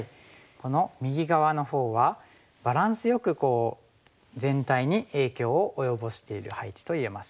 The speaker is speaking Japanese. この右側のほうはバランスよく全体に影響を及ぼしている配置と言えます。